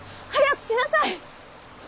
早くしなさい！